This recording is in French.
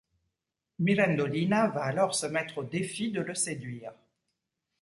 Mirandolina va alors se mettre au défi de le séduire.